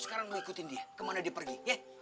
sekarang lu ikutin dia kemana dia pergi ya